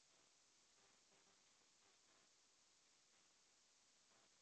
蒙自桂花为木犀科木犀属下的一个种。